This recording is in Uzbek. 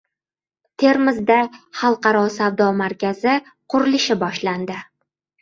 Termizda xalqaro savdo markazi qurilishi boshlandi